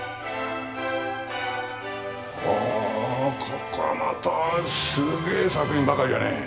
ほおここはまたすげえ作品ばかりやね。